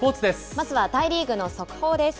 まずは大リーグの速報です。